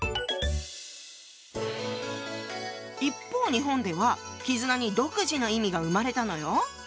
一方日本では「絆」に独自の意味が生まれたのよ。